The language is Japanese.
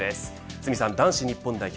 堤さん、男子日本代表